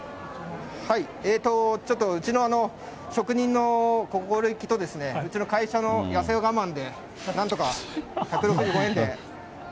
ちょっとうちの職人の心意気と、うちの会社のやせ我慢で、なんとか１６５円で。